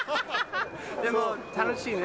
でも、楽しいね。